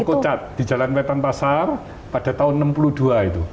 toko cat di jalan wetan pasar pada tahun seribu sembilan ratus enam puluh dua itu